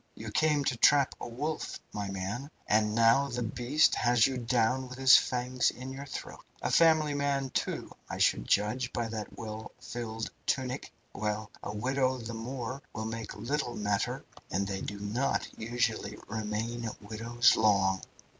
You came to trap a wolf, my man, and now the beast has you down with his fangs in your throat. A family man, too, I should judge, by that well filled tunic. Well, a widow the more will make little matter, and they do not usually remain widows long.